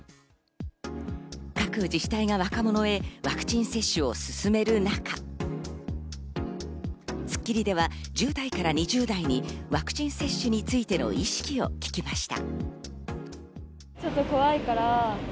各自治体が若者へワクチン接種を進める中、『スッキリ』では１０代から２０代にワクチン接種についての意識を聞きました。